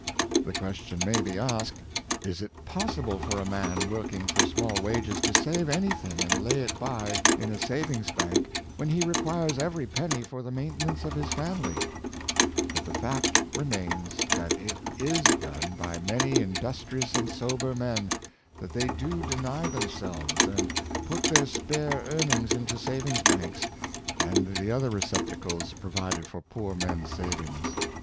The question may be asked: Is it possible for a man working for small wages to save anything, and lay it by in a savings bank, when he requires every penny for the maintenance of his family } But the fact remains, that it is done by many industrious and sober men; that they do deny themselves, and put their spare earn ings into savings banks, and the other receptacles pro vided for poor men's savings.